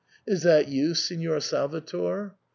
Is that you, Signor Salvator ?